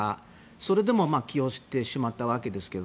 それでも起用してしまったわけですけど。